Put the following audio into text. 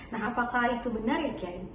nah apakah itu benar ya kian